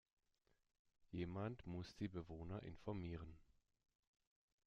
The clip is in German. Jemand muss die Bewohner informieren.